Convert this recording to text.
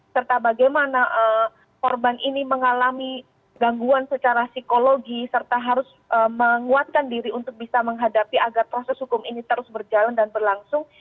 serta bagaimana korban ini mengalami gangguan secara psikologi serta harus menguatkan diri untuk bisa menghadapi agar proses hukum ini terus berjalan dan berlangsung